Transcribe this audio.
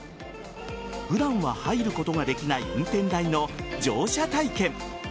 普段は入ることができない運転台の乗車体験。